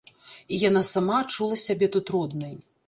І яна сама адчула сябе тут роднай.